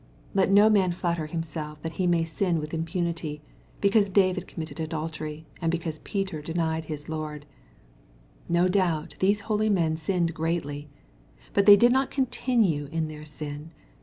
— Let no man flatter him self that he may sin with impunity, because David com mitted adultery, and because Peter denied his Lord. No doubt these holy men sinned greatly. But they did not continue in their sin.